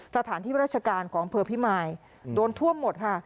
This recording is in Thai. สถานที่ราชการของอำเภอพิมายโดนท่วมหมดค่ะ